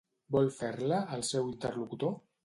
Vol fer-la, el seu interlocutor?